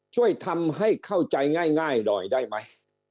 ช่วยทำให้เข้าใจง่ายด้วยได้มั้ย